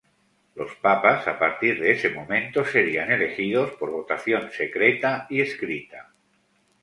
Los Papas, a partir de ese momento, serían elegidos por votación secreta y escrita.